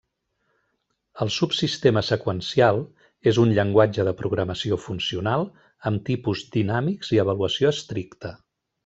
El subsistema seqüencial és un llenguatge de programació funcional amb tipus dinàmics i avaluació estricta.